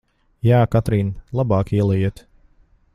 Jā, Katrīn, labāk ielejiet!